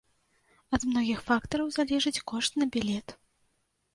Ад многіх фактараў залежыць кошт на білет.